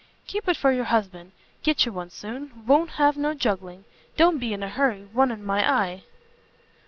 "Keep it for your husband; get you one soon: won't have no juggling. Don't be in a hurry; one in my eye."